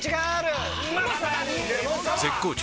絶好調！！